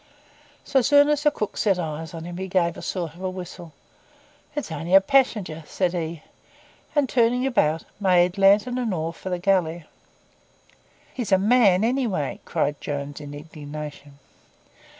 So soon as the cook set eyes on him he gave a sort of whistle. 'It's only a passenger!' said he; and turning about, made, lantern and all, for the galley. 'He's a man anyway,' cried Jones in indignation.